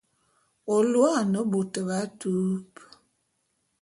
Ô lôô ane bôt b'atupe.